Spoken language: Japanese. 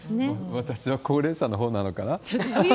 私は高齢者のほうなのかな。